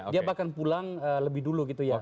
dia bahkan pulang lebih dulu gitu ya